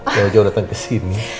jauh jauh dateng kesini